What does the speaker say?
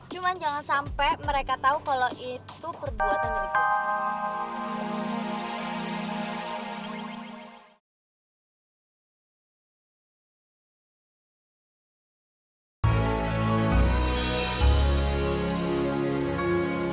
cuman jangan sampai mereka tau kalau itu perbuatan diriku